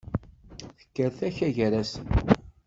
Tekker takka gar-asen.